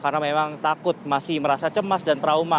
karena memang takut masih merasa cemas dan trauma